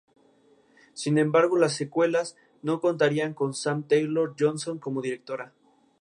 La adaptación, dirección y coreografía corrió a cargo de Sara Brodie.